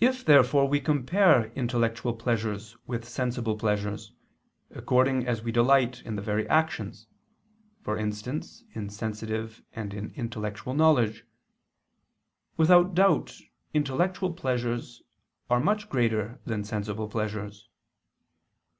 If therefore we compare intellectual pleasures with sensible pleasures, according as we delight in the very actions, for instance in sensitive and in intellectual knowledge; without doubt intellectual pleasures are much greater than sensible pleasures.